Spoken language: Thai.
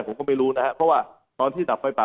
ผมก็ไม่รู้นะครับเพราะว่าตอนที่ดับไฟป่า